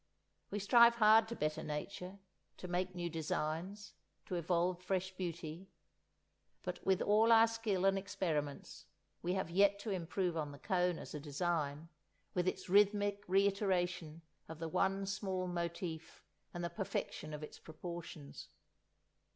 We strive hard to better Nature, to make new designs, to evolve fresh beauty; but with all our skill and experiments we have yet to improve on the cone as a design, with its rhythmic re iteration of the one small motif and the perfection of its proportions.